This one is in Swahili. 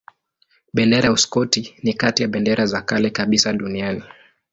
Bendera ya Uskoti ni kati ya bendera za kale kabisa duniani.